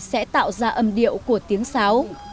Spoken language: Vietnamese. sẽ tạo ra âm điệu của tiếng sáo